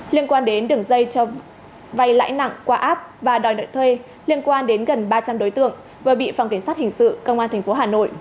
liên quan đến đường dây cho vay lãi nặng qua app và đòi nợ thuê liên quan đến gần ba trăm linh đối tượng vừa bị phòng kiểm soát hình sự công an tp hà nội